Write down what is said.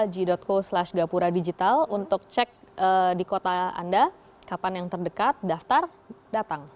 g co dgapura com untuk cek di kota anda kapan yang terdekat daftar datang